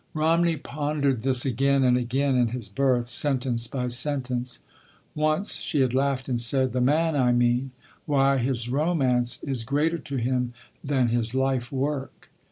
Romney pondered this again and again in his berth, sentence by sentence. Once she had laughed and said: "The man I mean—why, his romance is greater to him than his life work."